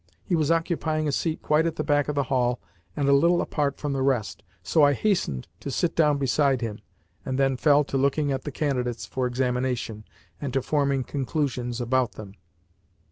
He was occupying a seat quite at the back of the hall and a little apart from the rest, so I hastened to sit down beside him, and then fell to looking at the candidates for examination, and to forming conclusions about them.